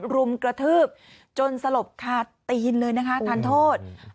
รุมกระทืบจนสลบขาดตีนเลยนะคะทันโทษ